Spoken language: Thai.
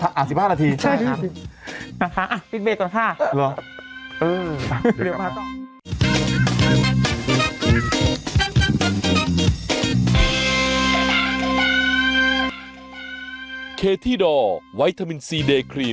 คือนี่มานั่งก่อน๑๕นาทีเสร็จก็ปึ้บ